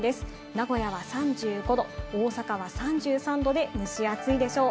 名古屋は３５度、大阪は３３度で蒸し暑いでしょう。